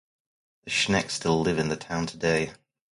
The Schnecks still live in the town today.